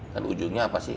dan ujungnya apa sih